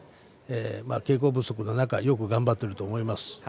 稽古不足の中よく頑張っていると思います。